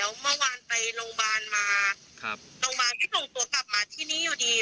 เมื่อวานไปโรงบาลมาโรงบาลก็ส่งตัวกลับมาที่นี่อยู่ดี